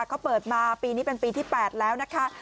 เขาเปิดมาปีนี้เป็นปีที่๘แล้วนะคะ